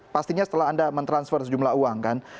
pastinya setelah anda mentransfer sejumlah uang kan